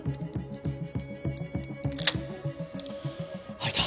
開いた。